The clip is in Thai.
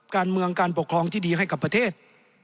การเมืองการปกครองที่ดีให้กับประเทศ